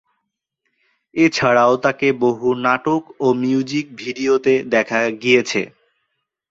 এছাড়াও তাকে বহু নাটক ও মিউজিক ভিডিওতে দেখা গিয়েছে।